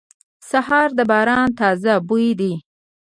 سهار د باران تازه بوی دی.